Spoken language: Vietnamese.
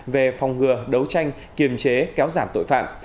về phòng ngừa đấu tranh kiềm chế kéo giảm tội phạm